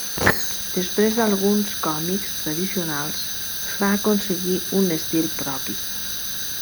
Després d'alguns còmics tradicionals va aconseguir un estil propi.